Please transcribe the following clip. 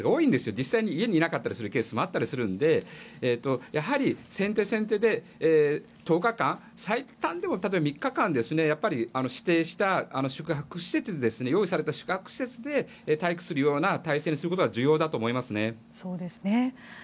実際に家にいなかったりするケースもあったりするのでやはり先手先手で１０日間、最短でも３日間やっぱり指定した宿泊施設用意された宿泊施設で待機するような体制にすることが重要だと思いますね。